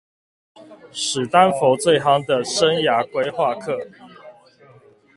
史丹佛最夯的生涯規畫課